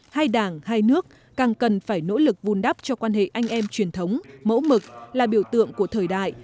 hai đảng hai nước càng cần phải nỗ lực vun đắp cho quan hệ anh em truyền thống mẫu mực là biểu tượng của thời đại